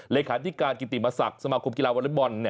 เลขาธิการกิติมศักดิ์สมาคมกีฬาวอเล็กบอล